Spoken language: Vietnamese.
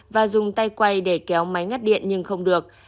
và dùng tay quay để kéo máy ngắt điện nhưng không được